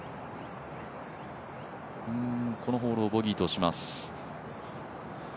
このホールをボギーとします。